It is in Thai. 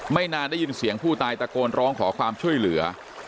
นานได้ยินเสียงผู้ตายตะโกนร้องขอความช่วยเหลือ